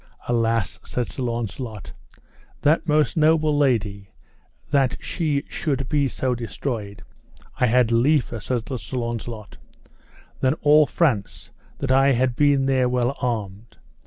Alas, said Sir Launcelot, that most noble lady, that she should be so destroyed; I had liefer, said Sir Launcelot, than all France, that I had been there well armed.